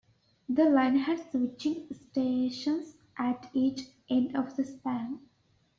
The line had switching stations at each end of the span.